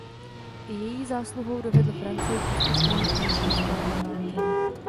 I její zásluhou dovedl Francii k úspěšnému ukončení stoleté války.